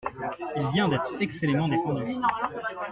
Il vient d’être excellemment défendu.